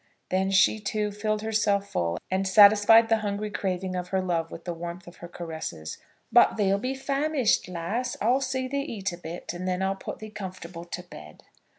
Then she, too, filled herself full, and satisfied the hungry craving of her love with the warmth of her caresses. "But thee'll be famished, lass. I'll see thee eat a bit, and then I'll put thee comfortable to bed."